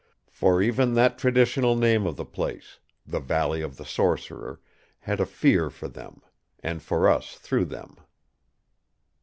For even that traditional name of the place: 'The Valley of the Sorcerer', had a fear for them; and for us through them.